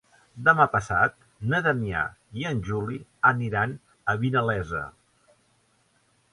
Demà passat na Damià i en Juli aniran a Vinalesa.